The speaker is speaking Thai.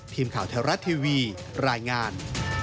ทีมข่าวแถวรัฐทีวีรายงาน